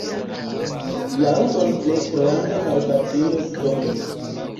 Laŭdon pli grandan malfacilus doni.